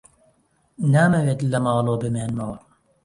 نامەوێت لە ماڵەوە بمێنمەوە.